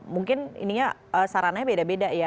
mungkin ini ya sarannya beda beda ya